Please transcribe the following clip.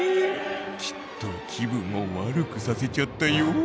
きっと気分を悪くさせちゃったよ。